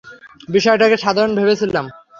বিষয়টাকে সাধারণ ভেবেছিলাম।